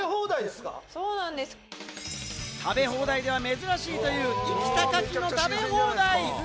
食べ放題では珍しいという生きたカキの食べ放題。